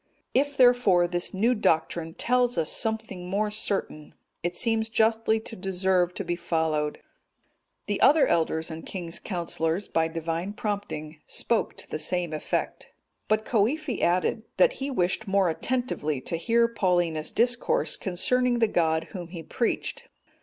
If, therefore, this new doctrine tells us something more certain, it seems justly to deserve to be followed." The other elders and king's counsellors, by Divine prompting, spoke to the same effect. But Coifi added, that he wished more attentively to hear Paulinus discourse concerning the God Whom he preached.